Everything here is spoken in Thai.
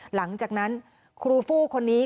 หลังจากนั้นครูฟู้คนนี้